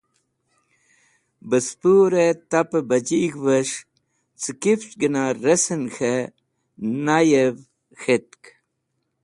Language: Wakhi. Bespũr tapẽ bajig̃hves̃h cẽ kifch gẽna resẽn k̃hẽ nayẽv k̃hetk.